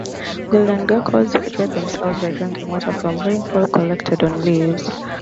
Golden geckos hydrate themselves by drinking water from rainfall collecting on leaves.